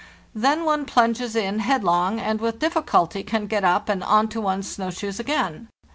Then one plunges in headlong, and with difficulty can get up and on to one's snow shoes again.